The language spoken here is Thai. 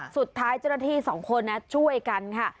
สุดท้ายเจ้าหน้าที่สองคนช่วยกันค่ะ